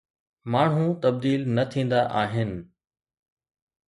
ماڻهو تبديل نه ٿيندا آهن.